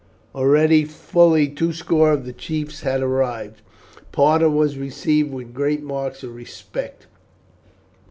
Already fully two score of the chiefs had arrived. Parta was received with great marks of respect.